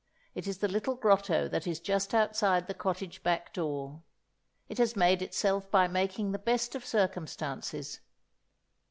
It is the little grotto that is just outside the cottage back door. It has made itself by making the best of circumstances.